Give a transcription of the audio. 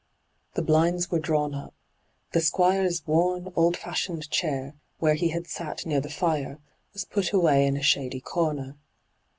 The blinds were drawn up. The Squire's worn, old fashioned chair, where he had sat near the fire, was put away in a shady comer.